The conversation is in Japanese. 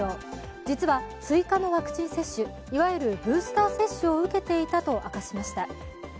実は追加のワクチン接種、いわゆるブースター接種を受けていたと明かしました。